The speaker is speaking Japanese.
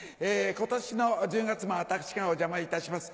今年の１０月も私がお邪魔いたします。